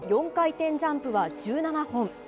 ４回転ジャンプは１７本。